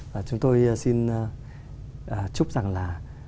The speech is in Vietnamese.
và chúng tôi xin chúc rằng là